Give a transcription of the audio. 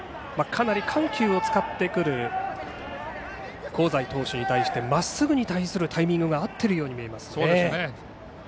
かなり緩急を使ってくる香西投手に対してまっすぐに対するタイミングが合っていますように見えますね。